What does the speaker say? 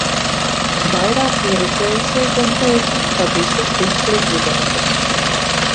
Vairāk pieredzējušie gan teica, ka visas tiks likvidētas.